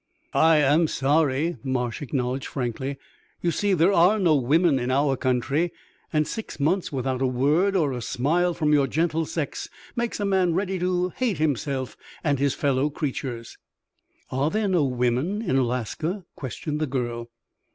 "I am sorry," Marsh acknowledged, frankly. "You see, there are no women in our country; and six months without a word or a smile from your gentle sex makes a man ready to hate himself and his fellow creatures." "Are there no women in Alaska?" questioned the girl.